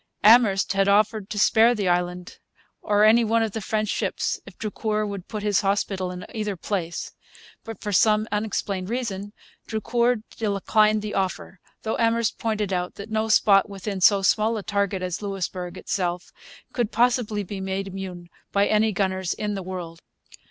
Amherst had offered to spare the island or any one of the French ships if Drucour would put his hospital in either place. But, for some unexplained reason, Drucour declined the offer; though Amherst pointed out that no spot within so small a target as Louisbourg itself could possibly be made immune by any gunners in the world.